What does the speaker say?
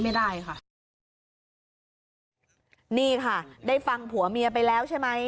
ไม่ได้ค่ะนี่ค่ะได้ฟังผัวเมียไปแล้วใช่ไหม